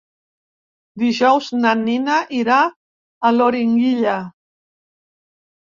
Dijous na Nina irà a Loriguilla.